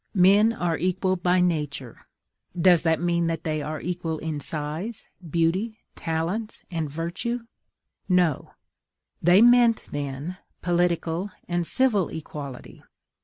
MEN ARE EQUAL BY NATURE: does that mean that they are equal in size, beauty, talents, and virtue? No; they meant, then, political and civil equality.